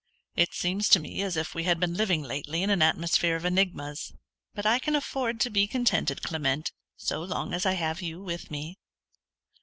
"It seems to me as if we had been living lately in an atmosphere of enigmas. But I can afford to be contented, Clement, so long as I have you with me."